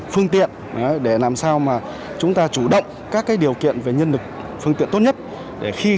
phương tiện để làm sao mà chúng ta chủ động các điều kiện về nhân lực phương tiện tốt nhất để khi